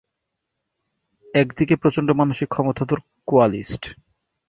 একদিকে প্রচণ্ড মানসিক ক্ষমতাধর কোয়ালিস্ট।